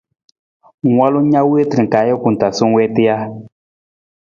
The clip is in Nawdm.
Ng walu na na wiitar ka ajuku taa sa ng wiita ja?